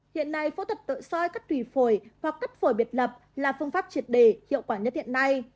hiện nay phẫu thuật tự soi cắt tùy phổi hoặc cắt phổi biệt lập là phương pháp triệt đề hiệu quả nhất hiện nay